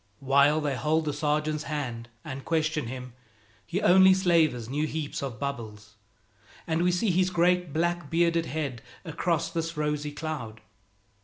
While they hold the sergeant's hand and question him, he only slavers new heaps of bubbles, and we see his great black bearded head across this rosy cloud.